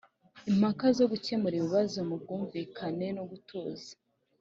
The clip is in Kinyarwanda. impaka zo gukemura ibibazo mu bwumvikane nugutuza